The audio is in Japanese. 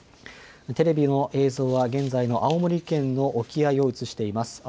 テレビの映像は現在の青森県の沖合を映しています。